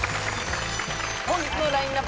本日のラインナップ